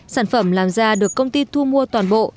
sản phẩm làm ra được công ty thu mua toàn bộ